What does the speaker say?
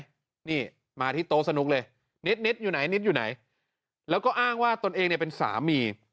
นี่มาที่โต๊ะสนุกเลยนิดนิดอยู่ไหนนิดอยู่ไหนแล้วก็อ้างว่าตนเองเนี่ยเป็นสามี